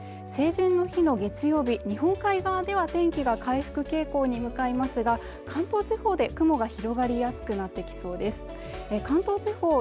成人の日の月曜日日本海側では天気が回復傾向に向かいますが関東地方で雲が広がりやすくなってきそうです関東地方